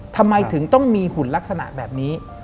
ทำไมถึงต้องมีหุ่นลักษณะแบบนี้